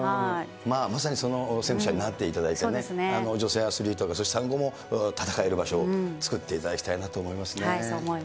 まさにその先駆者になっていただいて、女性アスリートが産後も戦える場所を作っていただきたそう思います。